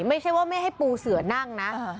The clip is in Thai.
ไม่ใช่ว่าไม่ให้ปูเสือนั่งนะ